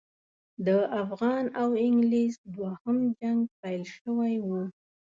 د افغان او انګلیس دوهم جنګ پیل شوی وو.